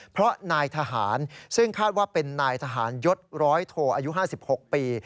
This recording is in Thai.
เพราะนายทหารซึ่งคาดว่าเป็นนายทหารยศร้อยโทอายุ๕๖ปี